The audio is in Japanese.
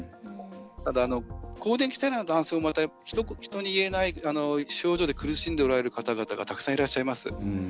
ただ、更年期世代の男性もまた人に言えない症状で苦しんでおられる方々がたくさんいらっしゃいます。